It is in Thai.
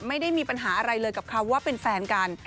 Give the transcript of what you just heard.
ไม่ได้มีปัญหาอะไรเลยกับคำว่าเป็นแฟนกัน